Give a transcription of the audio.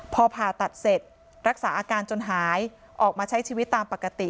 พอผ่าตัดเสร็จรักษาอาการจนหายออกมาใช้ชีวิตตามปกติ